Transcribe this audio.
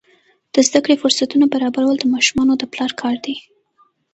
د زده کړې فرصتونه برابرول د ماشومانو د پلار کار دی.